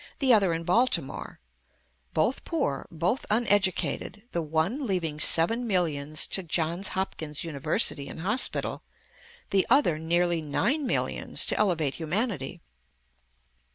the other in Baltimore; both poor, both uneducated; the one leaving seven millions to Johns Hopkins University and Hospital, the other nearly nine millions to elevate humanity.